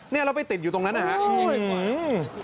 เราไปติดอยู่ตรงนั้นนะครับ